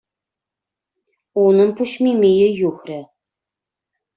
Унӑн пуҫ мимийӗ юхрӗ...